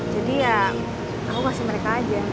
jadi ya aku kasih mereka aja